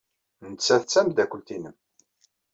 Nettat d tameddakelt-nnem.